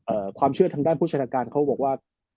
เอ่อความเชื่อทางด้านพลังการเขาบอกว่า